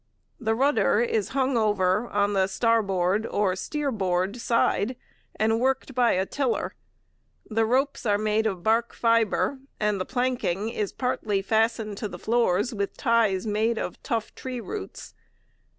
The rudder is hung over on the starboard, or 'steer board,' side and worked by a tiller. The ropes are made of bark fibre and the planking is partly fastened to the floors with ties made of tough tree roots.